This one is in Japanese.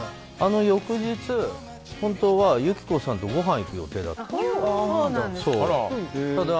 あの翌日、本当は友紀子さんとごはん行く予定だった。